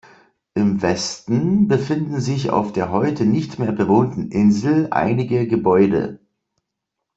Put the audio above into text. Im Westen befinden sich auf der heute nicht mehr bewohnten Insel einige Gebäude.